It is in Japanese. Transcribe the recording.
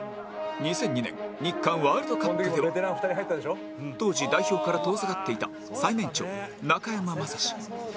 ２００２年日韓ワールドカップでは当時代表から遠ざかっていた最年長中山雅史